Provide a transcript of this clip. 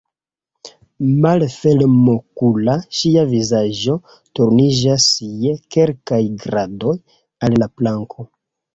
Malfermokula, ŝia vizaĝo turniĝas je kelkaj gradoj al la planko.